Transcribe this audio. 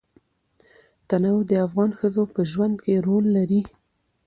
تنوع د افغان ښځو په ژوند کې رول لري.